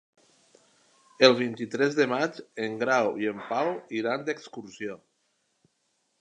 El vint-i-tres de maig en Grau i en Pau iran d'excursió.